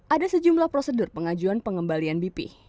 ada sejumlah prosedur pengajuan pengembalian bp